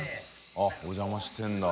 あっお邪魔してるんだ。